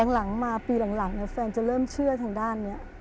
หลังมาปีหลังแฟนจะเริ่มเชื่อทางด้านนี้